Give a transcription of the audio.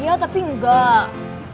iya tapi enggak